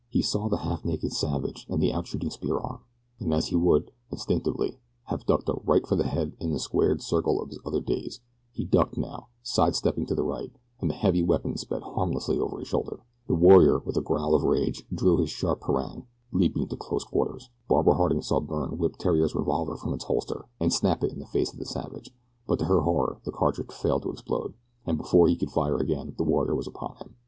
He saw the half naked savage and the out shooting spear arm, and as he would, instinctively, have ducked a right for the head in the squared circle of his other days, he ducked now, side stepping to the right, and the heavy weapon sped harmlessly over his shoulder. The warrior, with a growl of rage, drew his sharp parang, leaping to close quarters. Barbara Harding saw Byrne whip Theriere's revolver from its holster, and snap it in the face of the savage; but to her horror the cartridge failed to explode, and before he could fire again the warrior was upon him.